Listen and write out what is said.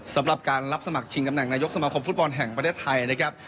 สำหรับการรับสมัครชิงตำแหน่งนายกสมาคมฟุตบอลแห่งประเทศไทยนะครับ